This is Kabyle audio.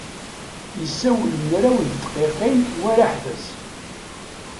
Yessawal mraw n tedqiqin war aḥbas.